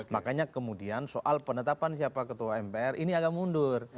makanya kemudian soal penetapan siapa ketua mpr ini agak mundur